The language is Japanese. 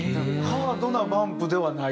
ハードなバンプではない？